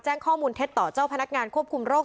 แจ้งข้อมูลเท็จต่อเจ้าพนักงานควบคุมโรค